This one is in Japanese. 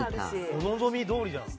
お望みどおりじゃん。